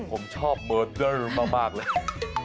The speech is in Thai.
ผมชอบโมเดิลมากเลย